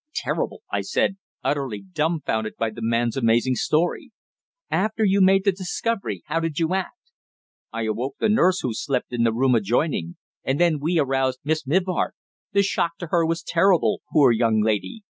"Terrible!" I said, utterly dumbfounded by the man's amazing story. "After you made the discovery, how did you act?" "I awoke the nurse, who slept in the room adjoining. And then we aroused Miss Mivart. The shock to her was terrible, poor young lady.